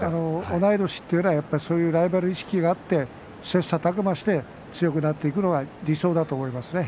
同い年というのはそういうライバル意識があって切さたく磨して強くなっていくのが理想だと思いますね。